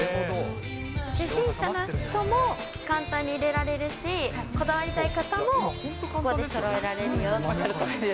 初心者の人も簡単にいれられるし、こだわりたい方もここでそろえられるよっていう。